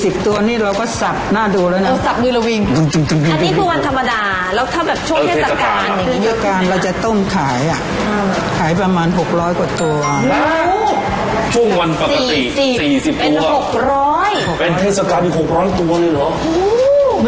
ช่วงวันปกติ๔๐ตัวเป็น๖๐๐ตัวเลยหรอไม่รู้จะทำได้ยังไง